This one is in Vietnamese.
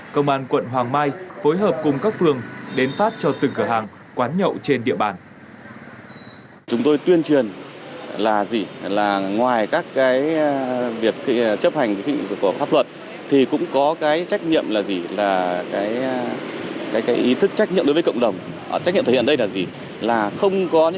công an quận hoàng mai phối hợp cùng các phương đến phát cho từng cửa hàng quán nhậu trên địa bàn